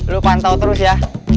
lu pantau terus ya